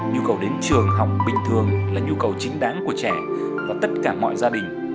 nhu cầu đến trường học bình thường là nhu cầu chính đáng của trẻ và tất cả mọi gia đình